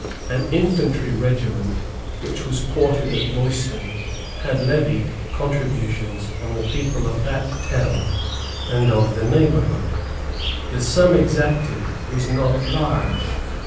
An infantry regiment, which was quartered at Royston, had levied contributions on the people of that town and of the neighbourhood. The sum exacted was not large.